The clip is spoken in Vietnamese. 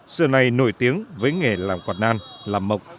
xưa này nổi tiếng với nghề làm quạt nan làm mộc